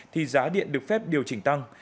thì giá điện được phép điều chỉnh tăng